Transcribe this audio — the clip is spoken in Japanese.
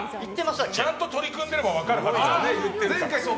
ちゃんと取り組んでれば分かるはずですね。